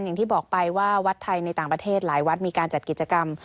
อย่างที่บอกไปว่าวัดไทยในต่างประเทศหลายวัดมีการจัดกิจกรรม